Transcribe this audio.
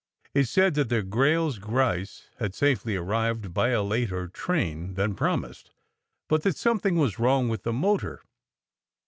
It said that the Grayles Grice had safely arrived by a later train than promised, but that something was wrong with the motor.